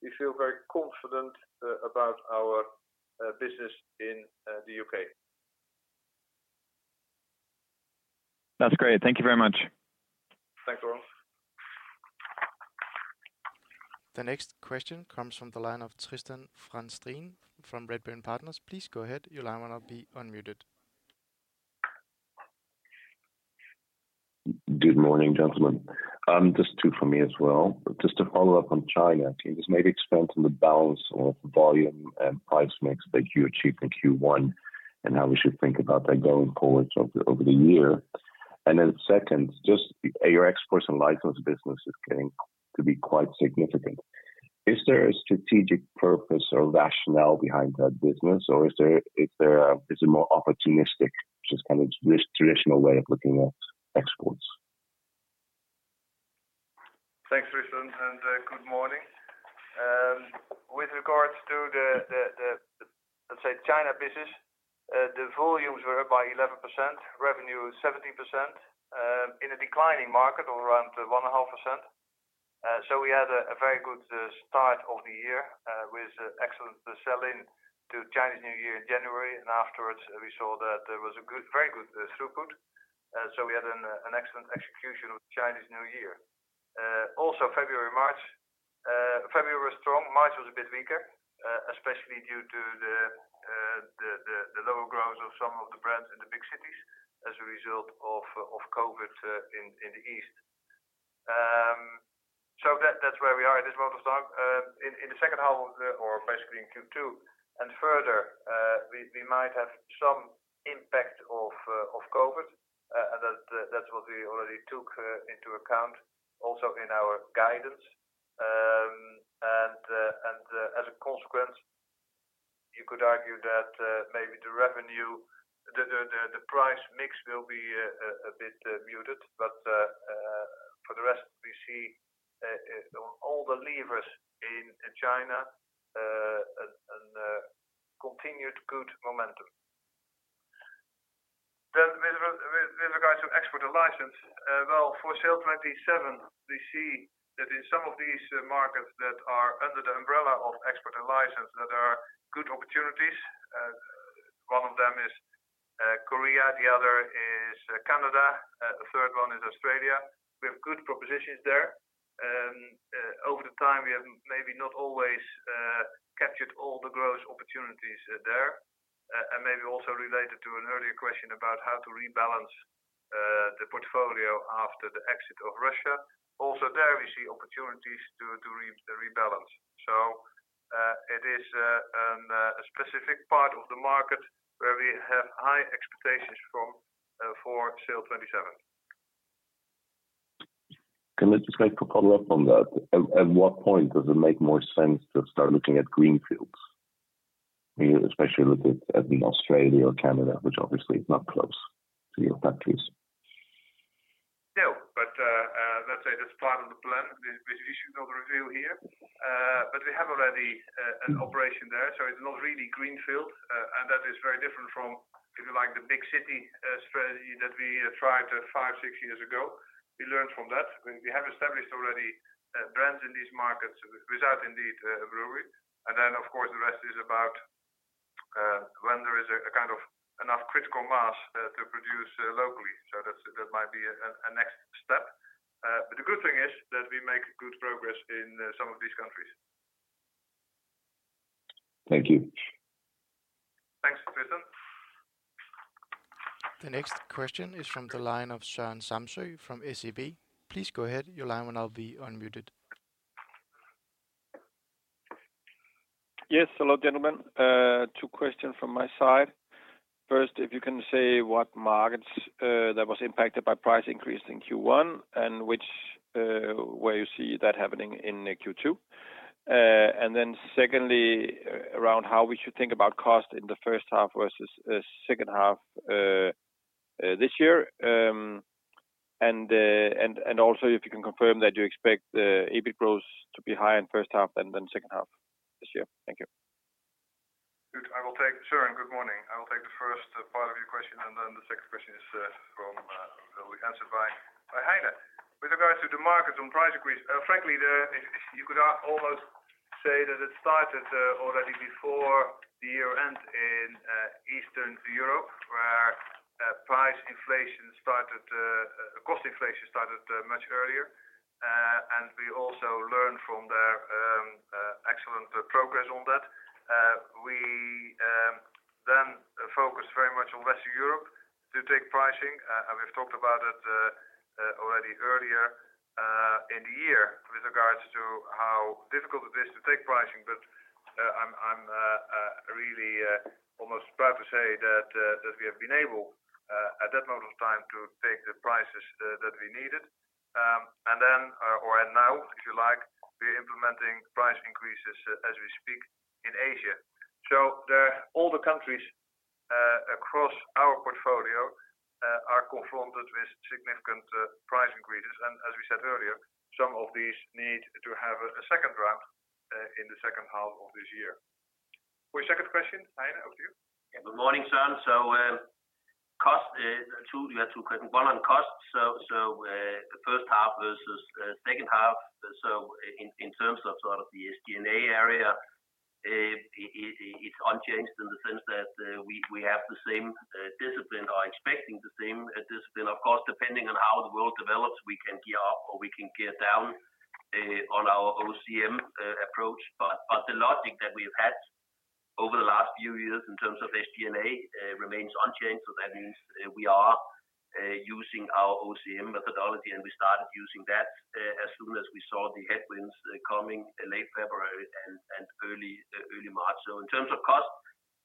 S2: We feel very confident about our business in the U.K.
S9: That's great. Thank you very much.
S2: Thanks, Laurence.
S1: The next question comes from the line of Tristan van Strien from Redburn Partners. Please go ahead. Your line will now be unmuted.
S10: Good morning, gentlemen. Just two for me as well. Just to follow up on China. Can you just maybe expand on the balance of volume and price mix that you achieved in Q1, and how we should think about that going forward over the year? Second, just your exports and license business is getting to be quite significant. Is there a strategic purpose or rationale behind that business, or is it more opportunistic, just kind of traditional way of looking at exports?
S2: Thanks, Tristan, and good morning. With regards to the let's say China business, the volumes were up by 11%, revenue 17%, in a declining market of around 1.5%. We had a very good start of the year with excellent sell in to Chinese New Year in January. Afterwards, we saw that there was a good, very good throughput. We had an excellent execution of Chinese New Year. Also February, March. February was strong, March was a bit weaker, especially due to the lower growth of some of the brands in the big cities as a result of COVID in the east. That's where we are in this moment of time. In the second half of the, or basically in Q2 and further, we might have some impact of COVID. That's what we already took into account also in our guidance. As a consequence, you could argue that maybe the revenue, the price mix will be a bit muted. For the rest, we see on all the levers in China a continued good momentum. Well, with regards to export and license, for SAIL'27, we see that in some of these markets that are under the umbrella of export and license, that are good opportunities. One of them is Korea, the other is Canada, the third one is Australia. We have good propositions there. Over time, we have maybe not always captured all the growth opportunities there. Maybe also related to an earlier question about how to rebalance the portfolio after the exit of Russia. Also there, we see opportunities to rebalance. It is a specific part of the market where we have high expectations for SAIL'27.
S10: Can I just make a follow-up on that? At what point does it make more sense to start looking at greenfields? When you especially look at Australia or Canada, which obviously is not close to your factories.
S2: No, let's say that's part of the plan. The strategic overview here. We have already an operation there, so it's not really greenfield. That is very different from, if you like, the big city strategy that we tried five, six years ago. We learned from that. We have established already brands in these markets without indeed a brewery. Of course, the rest is about when there is a kind of enough critical mass to produce locally. That might be a next step. The good thing is that we make good progress in some of these countries.
S10: Thank you.
S2: Thanks, Tristan.
S1: The next question is from the line of Søren Samsøe from SEB. Please go ahead. Your line will now be unmuted.
S11: Yes. Hello, gentlemen. Two questions from my side. First, if you can say what markets that was impacted by price increase in Q1, and which where you see that happening in Q2. Secondly, around how we should think about cost in the first half versus second half this year. Also if you can confirm that you expect the EBIT growth to be higher in first half than second half this year. Thank you.
S2: Good. I will take Søren, good morning. I will take the first part of your question, and then the second question is for will be answered by Heine. With regards to the markets on price increase, frankly, You could almost say that it started already before the year end in Eastern Europe, where high inflation started, cost inflation started much earlier. We also learned from their excellent progress on that. We then focused very much on Western Europe to take pricing. We've talked about it already earlier in the year with regards to how difficult it is to take pricing. I'm really almost proud to say that we have been able at that moment of time to take the prices that we needed. Now if you like, we're implementing price increases as we speak in Asia. All the countries across our portfolio are confronted with significant price increases. As we said earlier, some of these need to have a second round in the second half of this year. For your second question, Heine, over to you.
S3: Good morning, Søren. You had two questions. One on cost. The first half versus second half. In terms of sort of the SG&A area, it's unchanged in the sense that we have the same discipline or expecting the same discipline. Of course, depending on how the world develops, we can gear up or we can gear down on our OCM approach. The logic that we've had over the last few years in terms of SG&A remains unchanged. That means we are using our OCM methodology, and we started using that as soon as we saw the headwinds coming late February and early March. In terms of cost,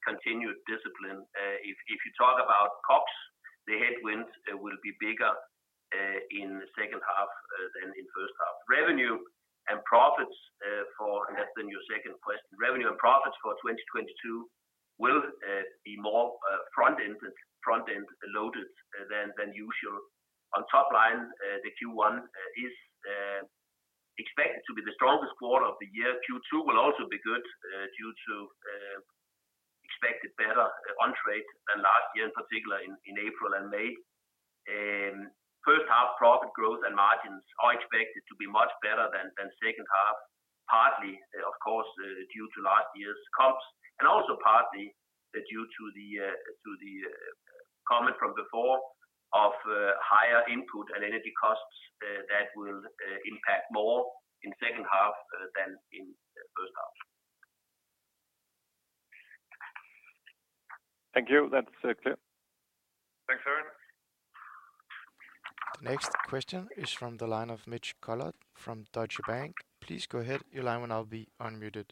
S3: continued discipline. If you talk about COGS, the headwinds will be bigger in the second half than in first half. Revenue and profits for 2022 will be more front-end loaded than usual. That's your second question. On top line, the Q1 is expected to be the strongest quarter of the year. Q2 will also be good due to expected better on-trade than last year, in particular in April and May. First half profit growth and margins are expected to be much better than second half. Partly, of course, due to last year's COGS, and also partly due to the comment from before of higher input and energy costs that will impact more in second half than in first half.
S11: Thank you. That's clear.
S2: Thanks, Søren.
S1: The next question is from the line of Mitch Collett from Deutsche Bank. Please go ahead. Your line will now be unmuted.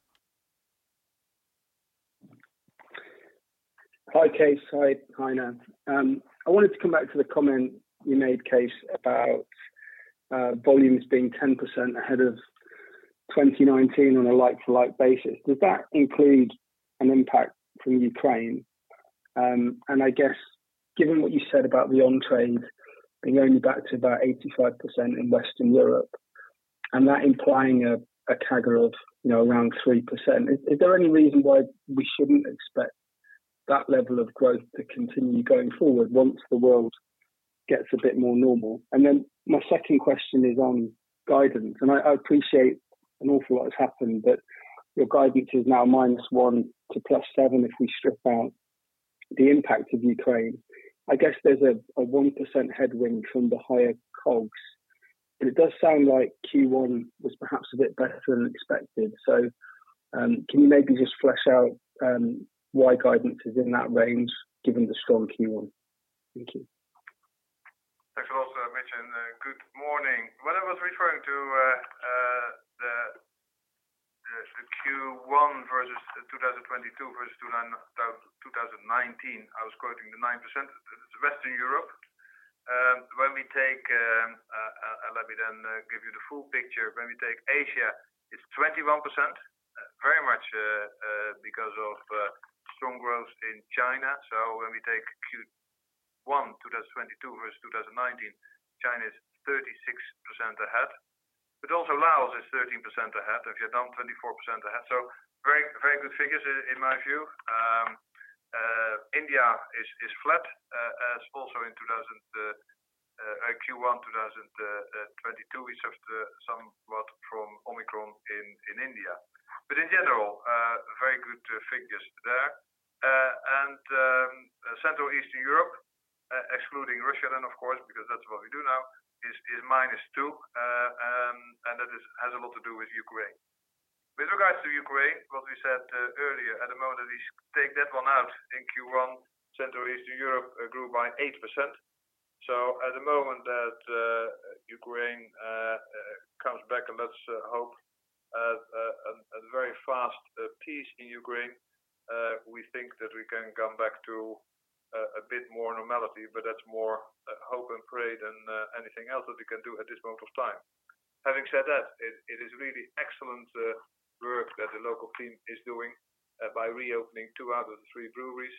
S12: Hi, Cees 't. Hi, Heine. I wanted to come back to the comment you made, Cees 't, about volumes being 10% ahead of 2019 on a like-for-like basis. Does that include an impact from Ukraine? I guess given what you said about the on-trade and going back to about 85% in Western Europe, and that implying a drag of, you know, around 3%, is there any reason why we shouldn't expect that level of growth to continue going forward once the world gets a bit more normal? Then my second question is on guidance, and I appreciate an awful lot has happened, but your guidance is now -1% to +7% if we strip out the impact of Ukraine. I guess there's a 1% headwind from the higher COGS, but it does sound like Q1 was perhaps a bit better than expected. Can you maybe just flesh out why guidance is in that range given the strong Q1? Thank you.
S2: Thanks a lot, Mitch, and good morning. When I was referring to the Q1 versus 2022 versus 2019, I was quoting the 9%. It's Western Europe. Let me give you the full picture. When we take Asia, it's 21%, very much because of strong growth in China. When we take Q1 2022 versus 2019, China is 36% ahead, but also Laos is 13% ahead, Vietnam 24% ahead. Very, very good figures in my view. India is flat, as also in Q1 2022. We suffered somewhat from Omicron in India. In general, very good figures there. Central Eastern Europe, excluding Russia then of course, because that's what we do now is -2%. That has a lot to do with Ukraine. With regards to Ukraine, what we said earlier, at the moment is take that one out in Q1, Central Eastern Europe grew by 8%. At the moment that Ukraine comes back, and let's hope a very fast peace in Ukraine, we think that we can come back to a bit more normality, but that's more hope and pray than anything else that we can do at this moment of time. Having said that, it is really excellent work that the local team is doing by reopening two out of the three breweries.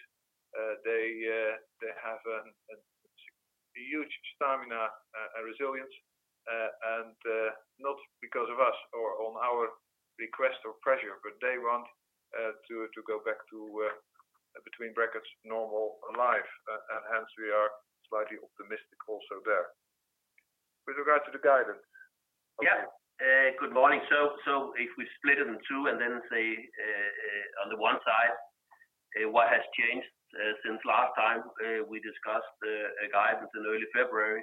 S2: They have a huge stamina, resilience. Not because of us or on our request or pressure, but they want to go back to, between brackets, normal life. Hence we are slightly optimistic also there.
S12: With regard to the guidance.
S3: Yeah. Good morning. If we split it in two and then say, on the one side, what has changed since last time we discussed the guidance in early February.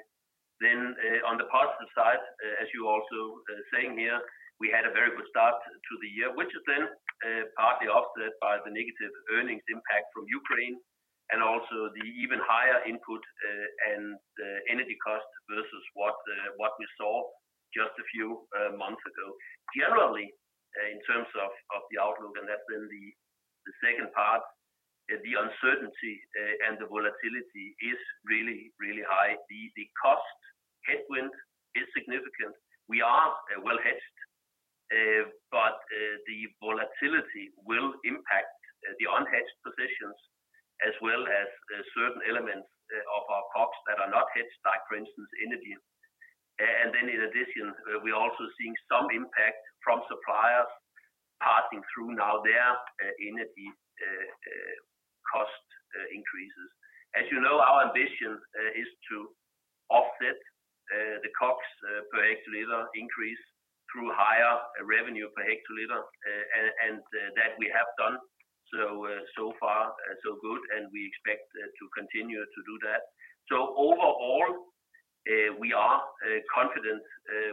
S3: On the positive side, as you're also saying here, we had a very good start to the year, which is then partly offset by the negative earnings impact from Ukraine and also the even higher input and energy cost versus what we saw just a few months ago. Generally, in terms of the outlook, and that's then the second part, the uncertainty and the volatility is really high. The cost headwind is significant. We are well hedged, but the volatility will impact the unhedged positions as well as certain elements of our costs that are not hedged, like for instance, energy. In addition, we're also seeing some impact from suppliers passing through now their energy cost increases. As you know, our ambition is to offset the costs per hectoliter increase through higher revenue per hectoliter. That we have done so far, so good, and we expect to continue to do that. Overall, we are confident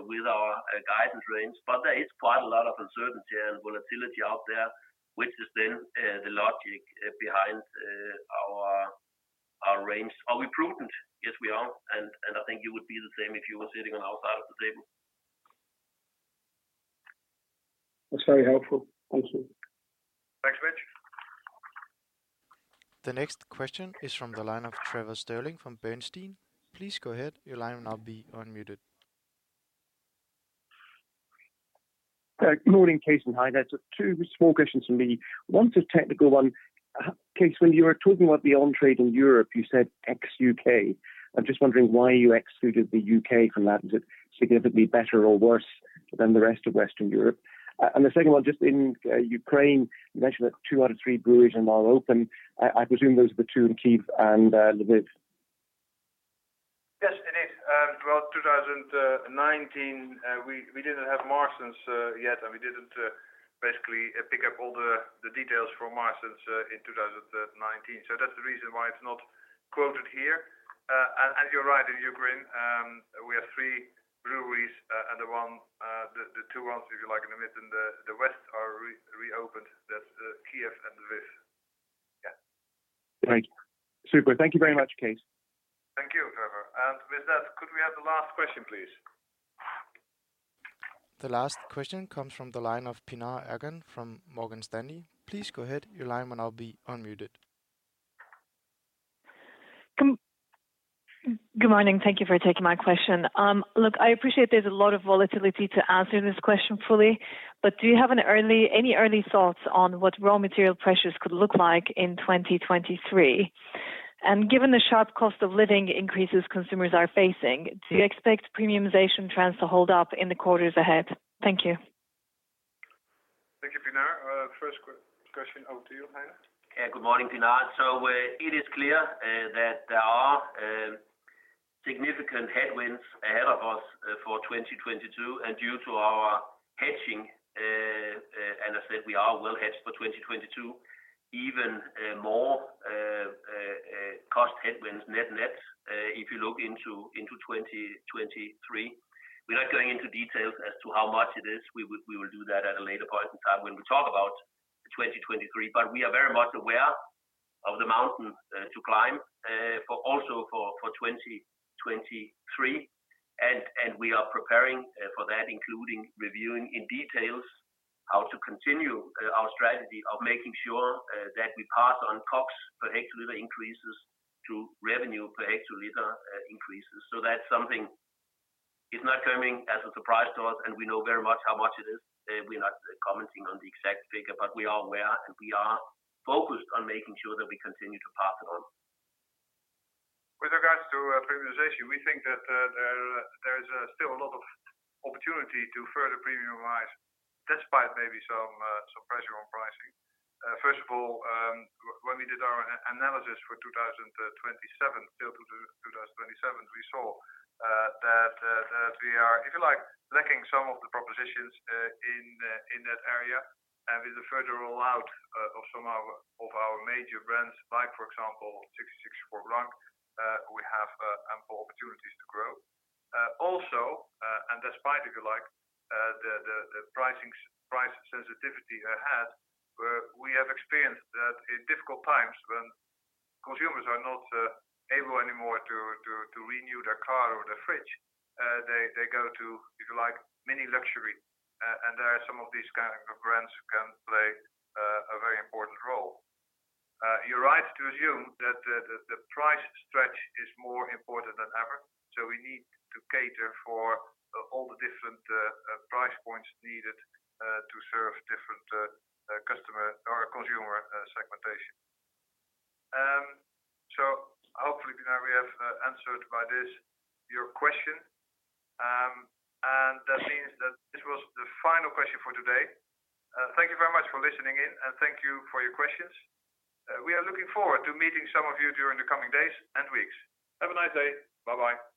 S3: with our guidance range, but there is quite a lot of uncertainty and volatility out there, which is then the logic behind our range. Are we prudent? Yes, we are. I think you would be the same if you were sitting on our side of the table.
S12: That's very helpful. Thank you.
S2: Thanks, Mitch.
S1: The next question is from the line of Trevor Stirling from Bernstein. Please go ahead. Your line will now be unmuted.
S13: Good morning, Cees 't and Heine. Two small questions from me. One's a technical one. Cees 't, when you were talking about the on-trade in Europe, you said ex-U.K. I'm just wondering why you excluded the U.K. from that. Is it significantly better or worse than the rest of Western Europe? The second one, just in Ukraine, you mentioned that two out of three breweries are now open. I presume those are the two in Kyiv and Lviv.
S2: Yes, it is. Throughout 2019, we didn't have Marston's yet, and we didn't basically pick up all the details from Marston's in 2019. That's the reason why it's not quoted here. You're right, in Ukraine, we have three breweries, and the two ones, if you like, in the middle and the west are reopened. That's Kyiv and Lviv.
S13: Thank you. Super. Thank you very much, Cees 't.
S2: Thank you, Trevor. With that, could we have the last question, please?
S1: The last question comes from the line of Pinar Ergun from Morgan Stanley. Please go ahead. Your line will now be unmuted.
S14: Good morning. Thank you for taking my question. Look, I appreciate there's a lot of volatility to answer this question fully, but do you have any early thoughts on what raw material pressures could look like in 2023? Given the sharp cost of living increases consumers are facing, do you expect premiumization trends to hold up in the quarters ahead? Thank you.
S2: Thank you, Pinar. First question over to you, Heine.
S3: Yeah. Good morning, Pinar. It is clear that there are significant headwinds ahead of us for 2022, and due to our hedging, and I said we are well hedged for 2022, even more cost headwinds net-net, if you look into 2023. We're not going into details as to how much it is. We will do that at a later point in time when we talk about 2023. We are very much aware of the mountain to climb for 2023. We are preparing for that, including reviewing in detail how to continue our strategy of making sure that we pass on costs per hectoliter increases to revenue per hectoliter increases. That's something is not coming as a surprise to us, and we know very much how much it is. We're not commenting on the exact figure, but we are aware, and we are focused on making sure that we continue to pass it on.
S2: With regards to premiumization, we think that there is still a lot of opportunity to further premiumize despite maybe some pressure on pricing. First of all, when we did our analysis for 2027 to 2027, we saw that we are, if you like, lacking some of the propositions in that area. With the further rollout of our major brands, like for example 1664 Blanc, we have ample opportunities to grow. Also, despite, if you like, the price sensitivity ahead, we have experienced that in difficult times when consumers are not able anymore to renew their car or their fridge, they go to, if you like, mini luxury. There are some of these kind of brands who can play a very important role. You're right to assume that the price stretch is more important than ever, so we need to cater for all the different price points needed to serve different customer or consumer segmentation. Hopefully, Pinar, we have answered by this your question. That means that this was the final question for today. Thank you very much for listening in, and thank you for your questions. We are looking forward to meeting some of you during the coming days and weeks. Have a nice day. Bye-bye.
S3: Bye.